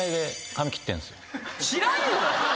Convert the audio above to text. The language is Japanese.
知らんよ！